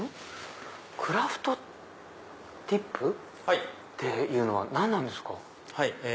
クラフトディップっていうのは何なんですか？